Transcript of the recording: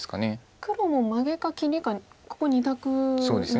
黒もマゲか切りかここ２択なんですか。